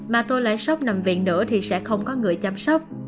mà tôi lại sốc nằm viện nữa thì sẽ không có người chăm sóc